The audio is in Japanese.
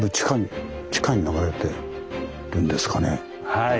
はい！